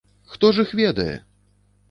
Хто ж іх ведае?!